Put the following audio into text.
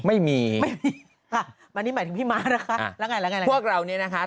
ไม่มีไม่มีค่ะอันนี้หมายถึงพี่ม้านะคะแล้วไงแล้วไงพวกเราเนี่ยนะคะ